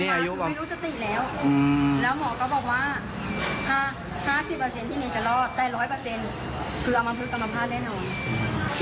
แล้วหมอก็บอกว่า๕๐เปอร์เซ็นต์ที่นี่จะรอดแต่๑๐๐เปอร์เซ็นต์คือเอามาพื้นกรรมภาพได้หน่อย